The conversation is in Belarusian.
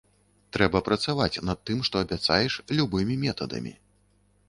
Трэба працаваць над тым, што абяцаеш, любымі метадамі.